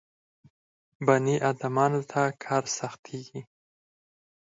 بني ادمانو ته کار سختېږي.